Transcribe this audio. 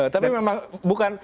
tapi memang bukan